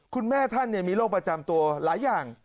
คุณแม่ท่านมีโรคประจำตัวหลายอย่าง